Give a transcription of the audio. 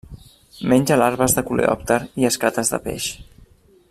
Menja larves de coleòpter i escates de peix.